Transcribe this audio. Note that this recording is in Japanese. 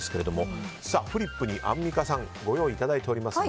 フリップにアンミカさんご用意いただいております。